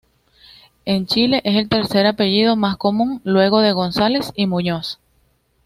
En Chile es el tercer apellido más común, luego de González y Muñoz